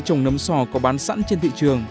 trùng nấm sò có bán sẵn trên thị trường